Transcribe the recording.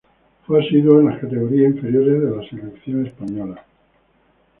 Fue asiduo en las categorías inferiores de la selección española.